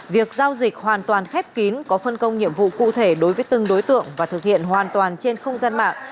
việc giao dịch hoàn toàn khép kín có phân công nhiệm vụ cụ thể đối với từng đối tượng và thực hiện hoàn toàn trên không gian mạng